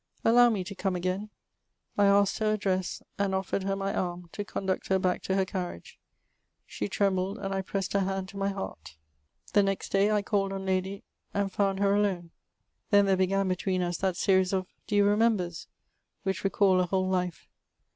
Allow me to come again." I asked her address, and offered her my arm, to conduct her back to her carriage. She trembled, and I pressed her hand to my heart. The next day I called on Lady ■, and found her alone. Then there began between us that series of do you remembers 7 which recal a whole life.